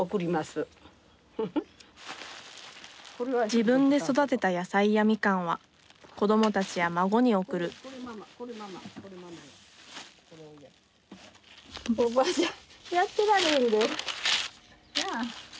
自分で育てた野菜やみかんは子どもたちや孫に送るふん。